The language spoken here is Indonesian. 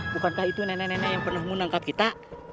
bukankah itu nenek nenek yang pernah menangkap kita